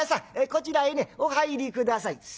こちらにねお入り下さい」。